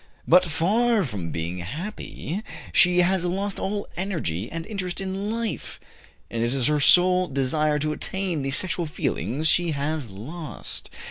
But, far from being happy, she has lost all energy and interest in life, and it is her sole desire to attain the sexual feelings she has lost.